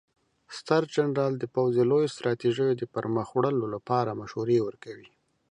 ستر جنرال د پوځ د لویو ستراتیژیو د پرمخ وړلو لپاره مشورې ورکوي.